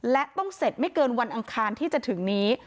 และต้องเสร็จไม่เกินวันอังคารที่จะถึงนี้